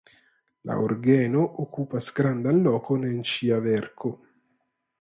La orgeno okupas grandan lokon en ŝia verko.